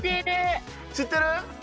知ってる？